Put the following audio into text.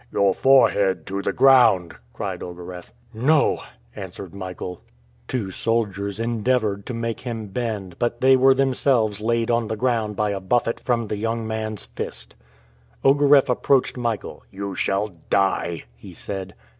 "Your forehead to the ground!" cried Ogareff. "No!" answered Michael. Two soldiers endeavored to make him bend, but they were themselves laid on the ground by a buffet from the young man's fist. Ogareff approached Michael. "You shall die!" he said.